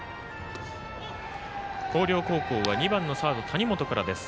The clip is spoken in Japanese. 広陵高校は２番のサード、谷本からです。